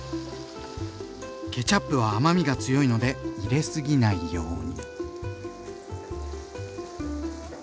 ケチャップは甘みが強いので入れすぎないように。